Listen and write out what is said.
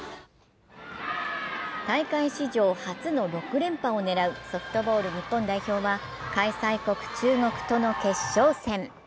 大会史上初の６連覇を狙うソフトボール日本代表は、開催国・中国との決勝戦。